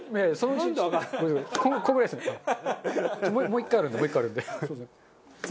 もう１個あるんで。